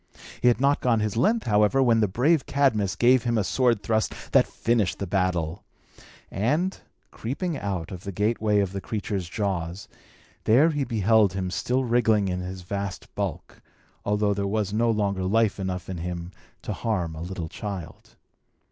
He had not gone his length, however, when the brave Cadmus gave him a sword thrust that finished the battle; and, creeping out of the gateway of the creature's jaws, there he beheld him still wriggling his vast bulk, although there was no longer life enough in him to harm a little child.